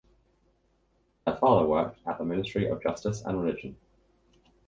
Her father worked at the Ministry of Justice and Religion.